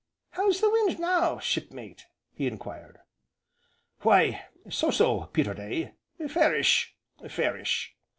"How's the wind, now, Shipmate?" he enquired. "Why so so, Peterday, fairish! fairish!"